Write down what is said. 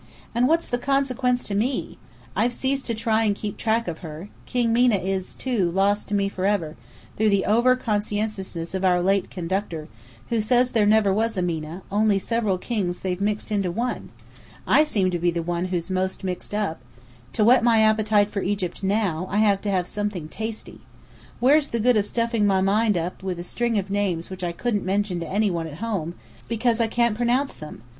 And what's the consequence to me? I've ceased to try and keep track of her. King Mena, too, is lost to me forever, through the over conscientiousness of our late conductor, who says there never was a Mena, only several kings they've mixed into one. I seem to be the one who's most mixed up! To whet my appetite for Egypt now, I have to have something tasty. Where's the good of stuffing my mind with a string of names which I couldn't mention to any one at home, because I can't pronounce them?